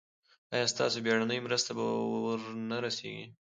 ایا ستاسو بیړنۍ مرسته به ور نه رسیږي؟